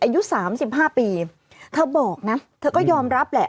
อายุสามสิบห้าปีเธอบอกนะเธอก็ยอมรับแหละ